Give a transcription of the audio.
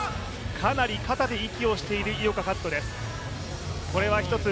かなり肩で息をしている井岡一翔です。